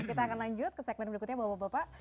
kita akan lanjut ke segmen berikutnya bapak bapak